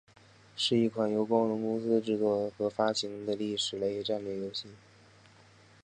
是一款由光荣公司制作和发行的历史类战略游戏。